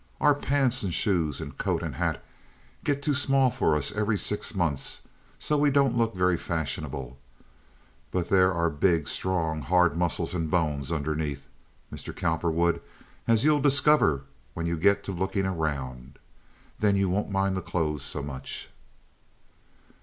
Our pants and shoes and coat and hat get too small for us every six months, and so we don't look very fashionable, but there are big, strong, hard muscles and bones underneath, Mr. Cowperwood, as you'll discover when you get to looking around. Then you won't mind the clothes so much."